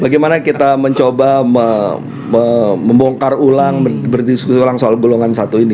bagaimana kita mencoba membongkar ulang berdiskusi ulang soal golongan satu ini